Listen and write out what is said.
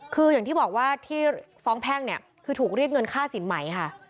คืออย่างที่บอกว่าที่ฟ้องแพ่งเนี่ยคือถูกเรียกเงินค่าสินใหม่ค่ะ